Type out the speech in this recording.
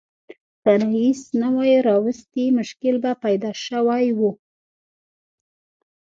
که رییس نه وای راوستي مشکل به یې پیدا شوی و.